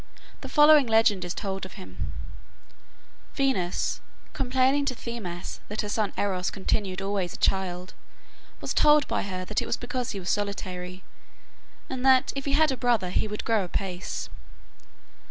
The following legend is told of him: Venus, complaining to Themis that her son Eros continued always a child, was told by her that it was because he was solitary, and that if he had a brother he would grow apace.